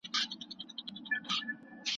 افغان ماشومان د نړیوالو بشري حقونو ملاتړ نه لري.